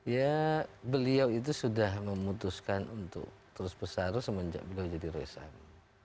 ya beliau itu sudah memutuskan untuk terus bersaru semenjak beliau jadi rosang